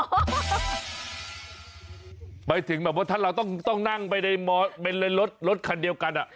หมายถึงแบบว่าถ้าเราต้องนั่งไปในรถคันเดียวกัน